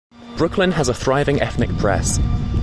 Brooklyn has a thriving ethnic press.